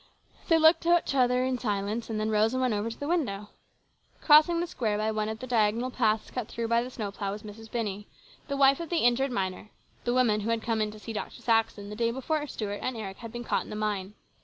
They looked at each other in silence, and then rose and went over to the window. Crossing the square by one of the diagonal paths cut through by the snowplough was Mrs. Binney, the wife of the injured miner, the woman who had come in to see Dr. Saxon the day before Stuart and Eric had been caught in the mine.